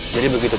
jadi begitu pak